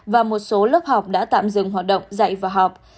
và một số lớp học đã tạm dừng hoạt động dạy và học